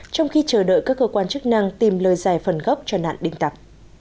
trong khi chờ đợi các cơ quan chức năng tìm lời giải phần gốc cho nạn đinh tặc